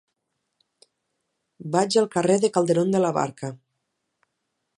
Vaig al carrer de Calderón de la Barca.